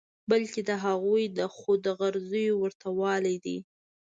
بلکې د هغوی د خود غرضیو ورته والی دی.